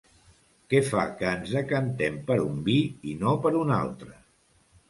Què fa que ens decantem per un vi i no per un altre?